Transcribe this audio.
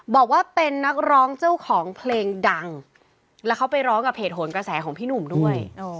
บอกว่าเป็นนักร้องเจ้าของเพลงดังแล้วเขาไปร้องกับเหตุโหนกระแสของพี่หนุ่มด้วย